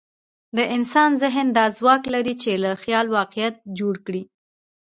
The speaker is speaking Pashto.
د انسان ذهن دا ځواک لري، چې له خیال واقعیت جوړ کړي.